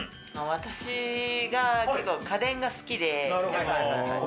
私が家電が好きで。